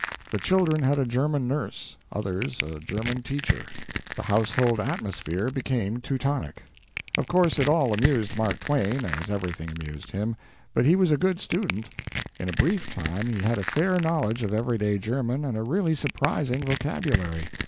The children had a German nurse others a German teacher. The household atmosphere became Teutonic. Of course it all amused Mark Twain, as everything amused him, but he was a good student. In a brief time he had a fair knowledge of every day German and a really surprising vocabulary.